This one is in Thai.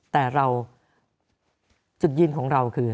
แต่เราจุดยืนของเราคือ